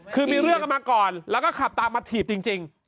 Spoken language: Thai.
คือมีเรื่องกันมาก่อนแล้วก็ขับตามมาถีบจริง